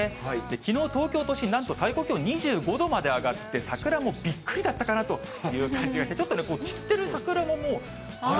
きのう、東京都心、なんと最高気温２５度まで上がって、桜もびっくりだったかなという感じがして、ちょっとね、散ってる桜ももうある。